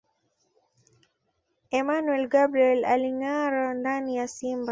Emmanuel Gabriel Alingâara ndani ya Simba